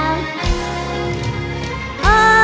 โอ๊ยซาสิบปาก